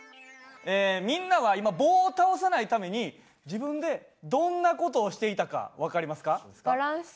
みんなは今棒を倒さないために自分でどんな事をしていたか分かりますか？